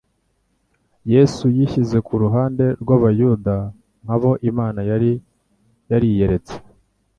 Yesu yishyize ku ruhande rw’Abayuda nk’abo Imana yari yariyeretse.